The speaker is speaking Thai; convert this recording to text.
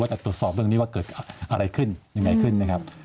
จะตรวจสอบเรื่องนี้ว่าเกิดอะไรขึ้นยังไงขึ้นนะครับ